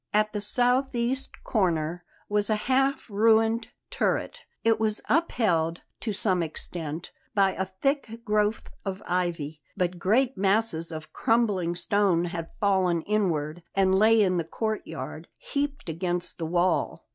At the southeast corner was a half ruined turret. It was upheld, to some extent, by a thick growth of ivy; but great masses of crumbling stone had fallen inward and lay in the courtyard, heaped against the wall.